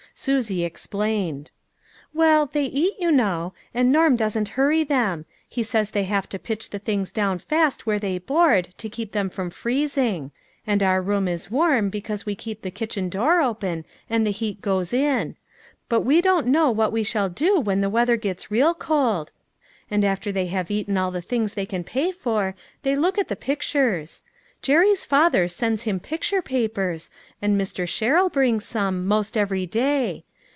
Susie explained :" Well, they eat, you know ; and Norm doesn't hurry them ; he says they have to pitch the things down fast where they board, to keep them from freezing ; and our room is warm, because we keep the kitchen door open, and the heat goes in ; but we don't know what we shall do when the weather gets real cold ; and after they have eaten all the things they can pay for, they look at the pict ures. Jerry's father sends him picture papers, and Mr. Sherrill brings some, most every day.